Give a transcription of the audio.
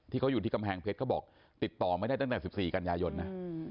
ที่เขาอยู่ที่กำแพงเพชรเขาบอกติดต่อไม่ได้ตั้งแต่๑๔กันยายนนะ